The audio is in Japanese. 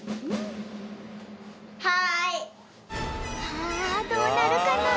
さあどうなるかな？